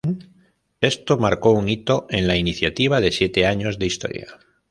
Esto marcó un hito en la iniciativa de siete años de historia.